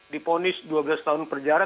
diponis dua belas tahun penjara